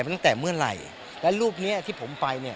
ตั้งแต่เมื่อไหร่และรูปนี้ที่ผมไป